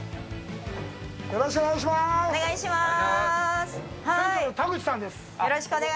よろしくお願いします！